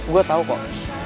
gue tau kok